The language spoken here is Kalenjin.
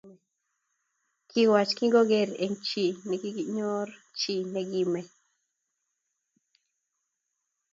Kiwach kingoret eng chi nikinyor chi nikimee